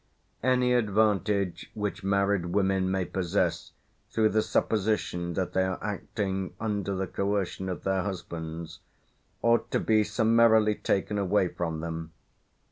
Any advantage which married women may possess through the supposition that they are acting under the coercion of their husbands ought to be summarily taken away from them.